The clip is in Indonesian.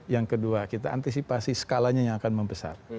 yang kedua kita antisipasi skalanya yang akan membesar